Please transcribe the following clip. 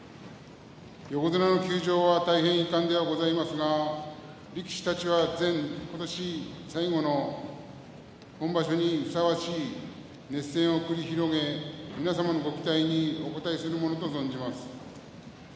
横綱の休場は大変遺憾ではございますが力士たちは、今年最後の本場所にふさわしい熱戦を繰り広げ皆様のご期待にお応えするものと存じます。